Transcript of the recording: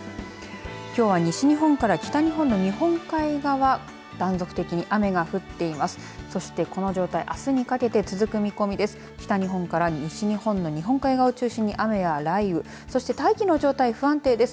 きょうは西日本から北日本の日本海側断続的に雨が降っています。